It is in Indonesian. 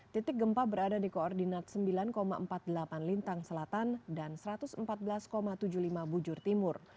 titik gempa berada di koordinat sembilan empat puluh delapan lintang selatan dan satu ratus empat belas tujuh puluh lima bujur timur